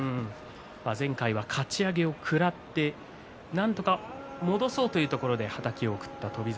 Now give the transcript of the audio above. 前回はかち上げを食らってなんとか戻そうというところではたきを食った翔猿